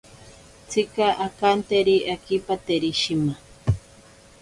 Tsika akanteri akipateri shima.